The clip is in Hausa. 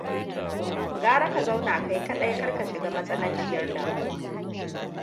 Gara ka zauna kai kaɗai kar ka shiga matsananciyar damuwa.